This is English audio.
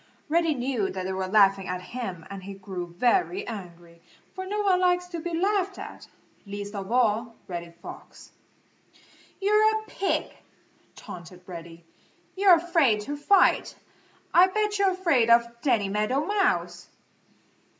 Reddy knew that they were laughing at him and he grew very angry, for no one likes to be laughed at, least of all Reddy Fox. "You're a pig!" taunted Reddy. "You're afraid to fight. I bet you're afraid of Danny Meadow Mouse!"